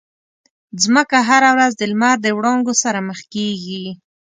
مځکه هره ورځ د لمر د وړانګو سره مخ کېږي.